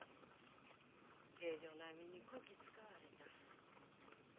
下女並みにこき使われた。